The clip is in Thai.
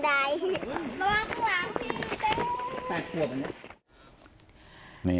ระวังข้างหลังขี่